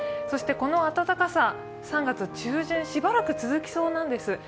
そしてこの暖かさ、３月中旬、しばらく続きそうなんです。